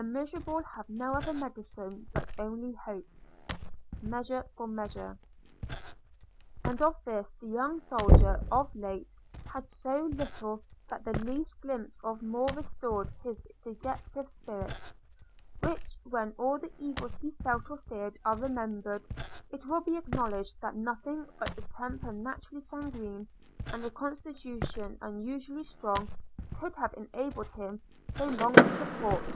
– 'The miserable have no other medicine But only hope' – MEASURE FOR MEASURE. – and of this the young soldier of late had so little, that the least glimpse of more restored his dejected spirits; which, when all the evils he felt or feared are remembered, it will be acknowledged that nothing but a temper naturally sanguine, and a constitution unusually strong, could have enabled him so long to support.